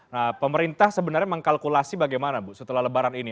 nah pemerintah sebenarnya mengkalkulasi bagaimana bu setelah lebaran ini